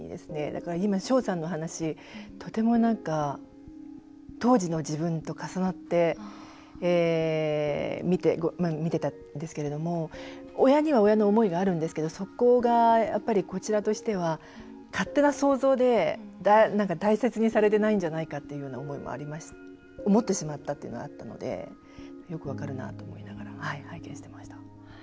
だから今、翔さんの話とても、なんか当時の自分と重なって見てたんですけれども親には親の思いがあるんですけどそこが、やっぱりこちらとしては勝手な想像でなんか大切にされてないんじゃないかっていうような思ってしまったっていうのあったのでよく分かるなと思いながら拝見していました。